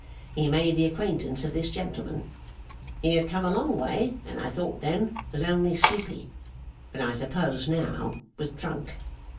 he made the acquaintance of this gentleman. He had come a long way, and, I thought then, was only sleepy; but, I suppose now, was drunk.